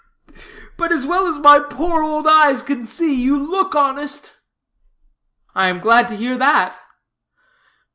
Ugh, ugh! But, as well as my poor old eyes can see, you look honest." "I am glad to hear that."